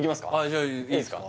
じゃあいいですか？